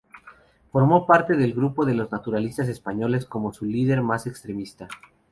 Formó parte del grupo de los naturalistas españoles como su líder más extremista.